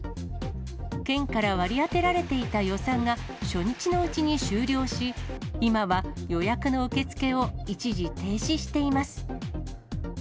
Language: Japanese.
県から割り当てられていた予算が初日のうちに終了し、今は予約の受け付けを一時停止しています。